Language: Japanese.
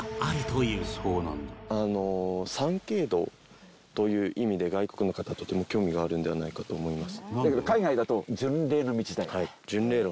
あの参詣道という意味で外国の方とても興味があるんではないかと思います。